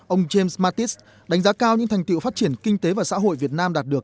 ông james mattis đánh giá cao những thành tiệu phát triển kinh tế và xã hội việt nam đạt được